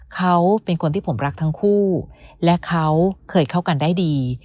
เขาเป็นคนที่ผมรักทั้งคู่และเขาเคยเข้ากันได้ดี